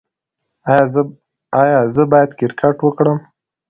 ایا زه باید کرکټ وکړم؟